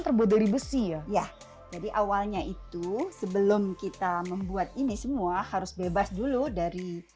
terbuat dari besi ya ya jadi awalnya itu sebelum kita membuat ini semua harus bebas dulu dari